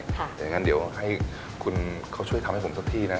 อย่างนั้นเดี๋ยวให้คุณเขาช่วยทำให้ผมสักที่นะ